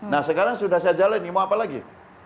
nah sekarang sudah saya jalan nih mau apa lagi